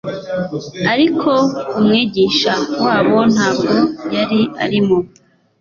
ariko Umwigisha wabo ntabwo yari arimo.